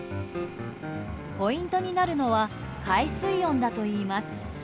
ポイントになるのは海水温だといいます。